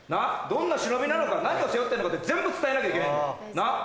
どんな忍びなのか何を背負ってんのか全部伝えなきゃいけないんだなっ？